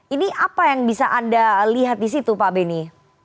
ini apa yang bisa anda lihat di situ pak beni